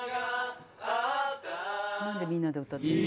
何でみんなで歌ってるの？